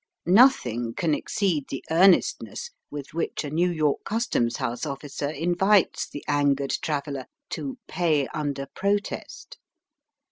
Nothing can exceed the earnest ness with which a New York Customs House officer invites the angered traveller to "pay under protest."